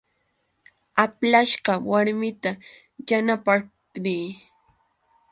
Aplashqa warmita yanapaq riy.